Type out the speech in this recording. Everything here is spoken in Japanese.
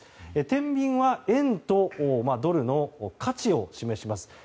天秤は円とドルの価値を示します。